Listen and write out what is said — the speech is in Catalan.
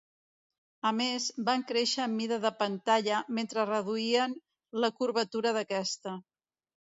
A més, van créixer en mida de pantalla mentre reduïen la curvatura d'aquesta.